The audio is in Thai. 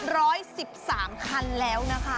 ร้อย๑๓คันแล้วนะคะ